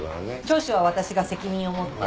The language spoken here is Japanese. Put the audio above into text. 聴取は私が責任を持って。